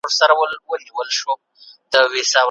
هېڅوک بايد د خپل نظر له امله ونه ځورول سي.